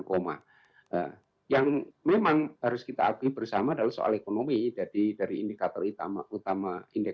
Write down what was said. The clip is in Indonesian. koma yang memang harus kita akui bersama adalah soal ekonomi jadi dari indikator utama utama indeks